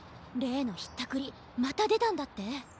れいのひったくりまたでたんだって？